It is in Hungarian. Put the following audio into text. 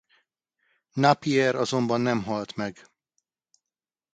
Napier azonban nem halt meg.